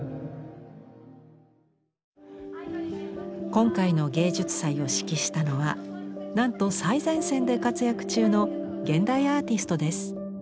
今回の芸術祭を指揮したのはなんと最前線で活躍中の現代アーティストです。